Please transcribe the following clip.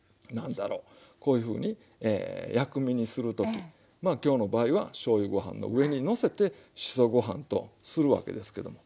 こういうふうに薬味にする時まあ今日の場合はしょうゆご飯の上にのせてしそご飯とするわけですけども。